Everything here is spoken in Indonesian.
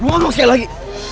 luar biasa lagi